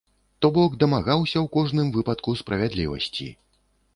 То бок дамагалася ў кожным выпадку справядлівасці.